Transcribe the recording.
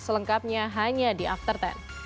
selengkapnya hanya di after sepuluh